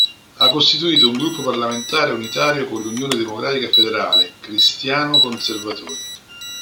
Ha costituito un gruppo parlamentare unitario con l'Unione Democratica Federale, cristiano-conservatori.